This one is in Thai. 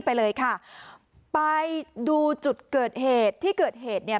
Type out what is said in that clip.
ไปเลยค่ะไปดูจุดเกิดเหตุที่เกิดเหตุเนี่ย